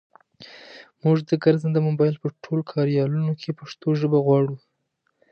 مونږ د ګرځنده مبایل په ټولو کاریالونو کې پښتو ژبه غواړو.